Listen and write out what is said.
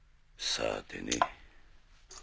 さあてね。